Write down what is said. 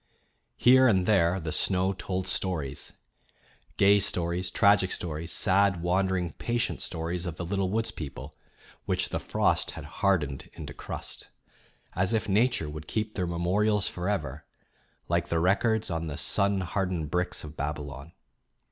Here and there the snow told stories; gay stories, tragic stories, sad, wandering, patient stories of the little woods people, which the frost had hardened into crust, as if Nature would keep their memorials forever, like the records on the sunhardened bricks of Babylon.